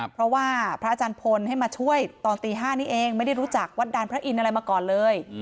เพราะว่าพระอาจารย์พลให้มาช่วยตอนตี๕นี้เองไม่ได้รู้จักวัดดานพระอินทร์อะไรมาก่อนเลย